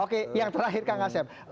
oke yang terakhir kang asep